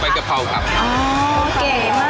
ไฟกะเพราครับอ๋อเก่งมาก